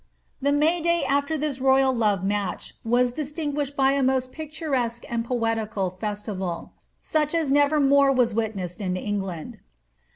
The May day after this royal love match was distinguished by a most jMcturesque and poetical festival, such as never more was vritnessed in England.